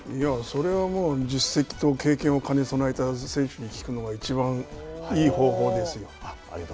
それはもう、実績と経験を兼ね備えた選手に聞くのが、いちばんいい方法ですよ。